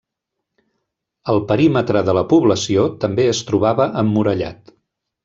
El perímetre de la població també es trobava emmurallat.